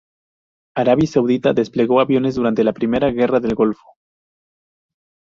Arabia Saudita desplegó aviones durante la Primera Guerra del Golfo.